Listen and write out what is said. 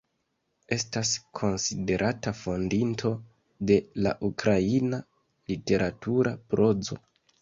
Estas konsiderata fondinto de la ukraina literatura prozo.